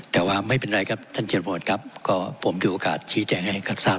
แต่ว่าไม่เป็นไรครับท่านเจรประวัติครับก็ผมถือโอกาสชี้แจงให้ท่านทราบ